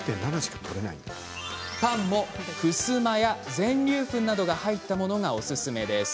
パンも、ふすまや全粒粉などが入ったものがおすすめです。